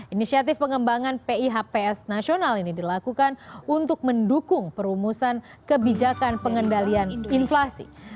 inisiatif pengembangan pihps nasional ini dilakukan untuk mendukung perumusan kebijakan pengendalian inflasi